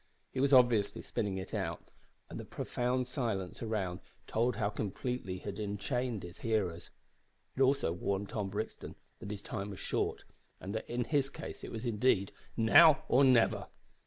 He was obviously spinning it out, and the profound silence around told how completely he had enchained his hearers. It also warned Tom Brixton that his time was short, and that in his case it was indeed, "now or never."